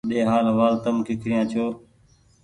ۮي حآل حوال تم ڪيکريآن ڇوٚنٚ